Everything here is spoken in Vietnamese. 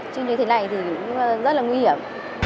chứ như thế này thì rất là nguy hiểm